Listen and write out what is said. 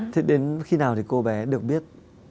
thế đến khi nào thì cô bé được biết